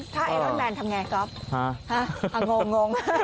ท่าไอรอนแมนทำอย่างไรครับกรอบงง